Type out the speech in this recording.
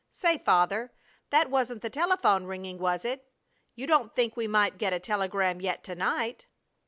Say, Father, that wasn't the telephone ringing, was it? You don't think we might get a telegram yet to night?"